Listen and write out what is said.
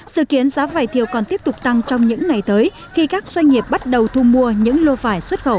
sự kiến giá vải thiều còn tiếp tục tăng trong những ngày tới khi các doanh nghiệp bắt đầu thu mua những lô vải xuất khẩu